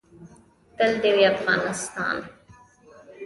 تل دې وي افغانستان